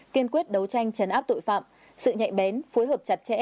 kiên quyết đấu tranh chấn áp tội phạm sự nhạy bén phối hợp chặt chẽ